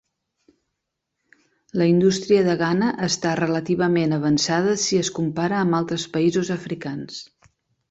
La indústria de Ghana està relativament avançada si es compara amb altres països africans.